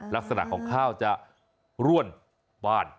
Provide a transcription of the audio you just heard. ลักษณะของข้าวจะร่วนบ้าน